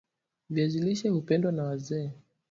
Viazi lishe hupendwa na wazee